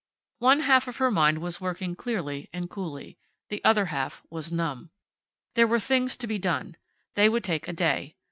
One half of her mind was working clearly and coolly. The other half was numb. There were things to be done. They would take a day.